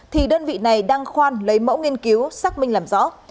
thì đơn vị này đang khoan lấy mẫu nghiên cứu xác minh làm rõ